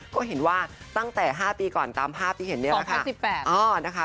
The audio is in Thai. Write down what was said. ก็เห็นว่าตั้งแต่๕ปีก่อนตามภาพที่เห็นเนี่ยนะคะ